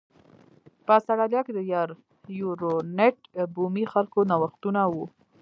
په اسټرالیا کې د یر یورونټ بومي خلکو نوښتونه و